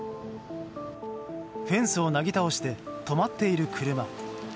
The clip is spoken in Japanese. フェンスをなぎ倒して止まっている車。